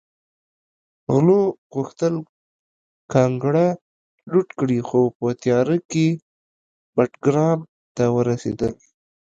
غلو غوښتل کانګړه لوټ کړي خو په تیاره کې بټګرام ته ورسېدل